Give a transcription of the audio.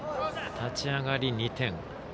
立ち上がり２点。